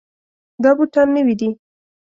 دا بوټان نوي دي.